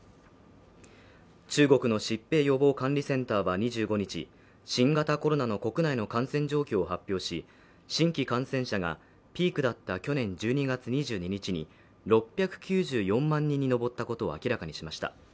中国の疾病予防管理センターは２５日、新型コロナの国内の感染状況を発表し新規感染者が、ピークだった去年１２月２２日に６９４万人に上ったことを明らかにしました。